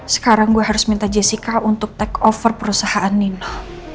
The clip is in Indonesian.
sekarang gue harus minta jessica untuk take over perusahaan nino